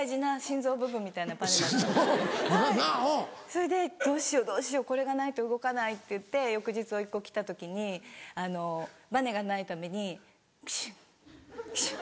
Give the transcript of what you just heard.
それで「どうしようどうしようこれがないと動かない」って言って翌日甥っ子来た時にバネがないためにクシュクシュ。